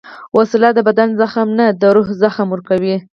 وسله د بدن زخم نه، د روح زخم ورکوي